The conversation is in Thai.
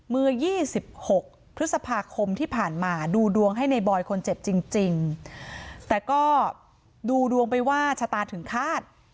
เมื่อ๒๖พฤษภาคมที่ผ่านมาดูดวงให้ในบอยคนเจ็บจริงแต่ก็ดูดวงไปว่าชะตาถึงฆาต